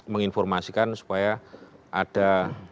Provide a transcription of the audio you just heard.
menginformasikan supaya ada